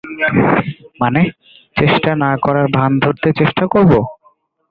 মানে, চেষ্টা না করার ভান ধরতে চেষ্টা করব।